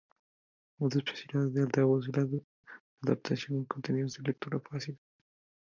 Otra especialidad de Altavoz es la adaptación de contenidos a lectura fácil.